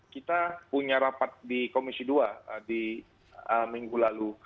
kita punya rapat di komisi dua di minggu lalu